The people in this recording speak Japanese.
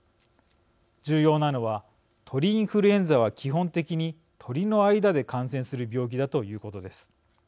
重要なのは、鳥インフルエンザは基本的に鳥の間で感染する病気だということです。